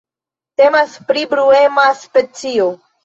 Temas pri bruema specio.